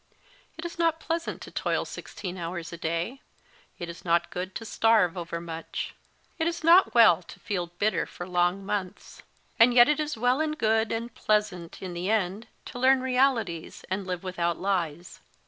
It is not pleasant to toil sixteen hours a day ; it is not good to starve overmuch ; it is not well to feel bitter for long months. And yet it is well and good and pleasant in the end to learn realities and live without lies.